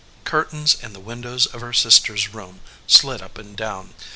Curtains in the win dows of her sister s room slid up and down.